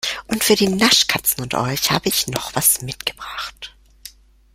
Und für die Naschkatzen unter euch habe ich noch was mitgebracht.